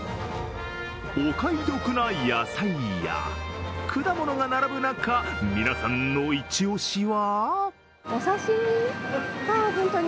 お買い得な野菜や果物が並ぶ中、皆さんの一押しは？